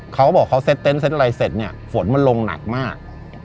เขาบอกเขาเซตเต้นท์เซตอะไรเสร็จฝนมันลงหนักมาก